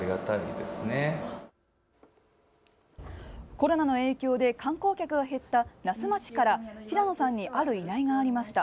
コロナの影響で観光客が減った那須町から平野さんにある依頼がありました。